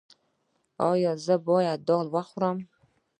ایا زه باید دال وخورم؟